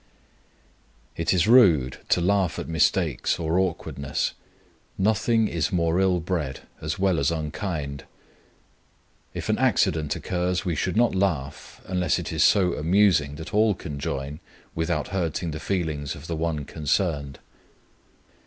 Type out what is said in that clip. It is rude to laugh at mistakes or awkwardness: nothing is more ill bred as well as unkind. If an accident occurs, we should not laugh, unless it is so amusing that all can join without hurting the feelings of the one concerned.